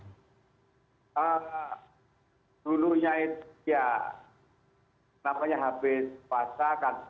ya dulu ya ya kenapa ya habis pasakan